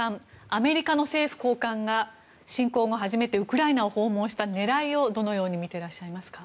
アメリカの政府高官が侵攻後初めてウクライナを訪問した狙いをどのように見てらっしゃいますか。